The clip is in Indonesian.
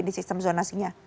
di sistem zonasinya